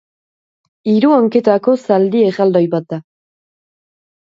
Hiru hanketako zaldi erraldoi bat da.